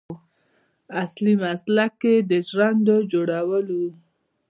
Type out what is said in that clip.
اصلي مسلک یې د ژرندو جوړول و.